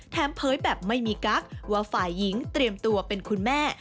เผยแบบไม่มีกั๊กว่าฝ่ายหญิงเตรียมตัวเป็นคุณแม่